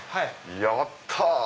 やった！